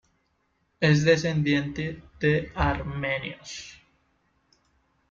Es descendiente de armenios.